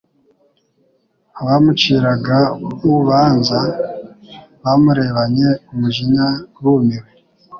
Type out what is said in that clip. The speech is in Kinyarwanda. abamuciraga w-ubanza bamurebanye umujinya bumiwe